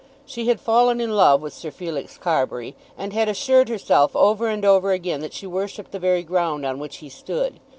She had fallen in love with Sir Felix Carbury, and had assured herself over and over again that she worshipped the very ground on which he stood.